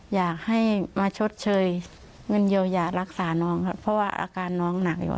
อยากให้มารักษาน้องนองนะ